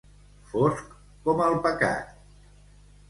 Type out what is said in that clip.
Fosc com el pecat.